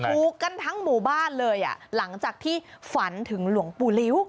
ถูกกันทั้งหมู่บ้านเลยอ่ะหลังจากที่ฝันถึงหลวงปู่ลิ้ว